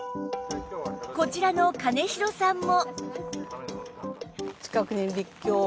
こちらの金城さんも